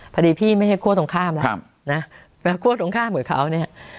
พอดีพี่ไม่ให้คั่วตรงข้ามแล้วนะแต่คั่วตรงข้ามกับเขาเนี่ย